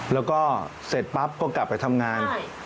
แล้วก็เสร็จปั๊บก็กลับไปทำงาน